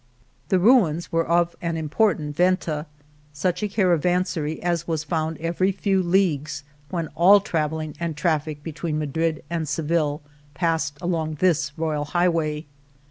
The ruins were of an important Venta, such a caravanserai as was found every few leagues when all travelling and traffic be tween Madrid and Seville passed along this royal highway.